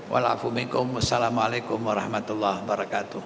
waalaikumsalamualaikum warahmatullahi wabarakatuh